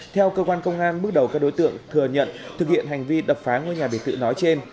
theo cơ quan công an bước đầu các đối tượng thừa nhận thực hiện hành vi đập phá ngôi nhà biệt tự nói trên